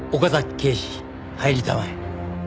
警視入りたまえ。